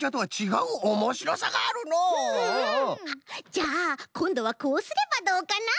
じゃあこんどはこうすればどうかな？